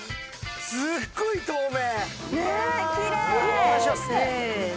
すっごい透明。